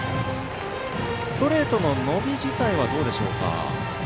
ストレートの伸び自体はどうでしょうか？